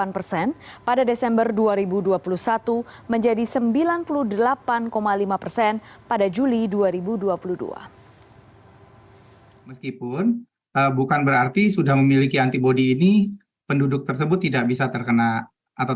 pertama desember dua ribu dua puluh satu secara nasional kedua maret dua ribu dua puluh dua di daerah jawa bali dan ketiga juli dua ribu dua puluh dua secara nasional